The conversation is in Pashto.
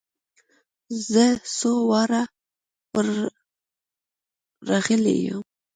زه څو واره ور رغلى يم.